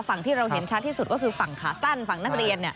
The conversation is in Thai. ฝั่งที่เราเห็นชัดที่สุดก็คือฝั่งขาสั้นฝั่งนักเรียน